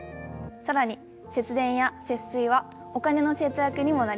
更に節電や節水はお金の節約にもなります。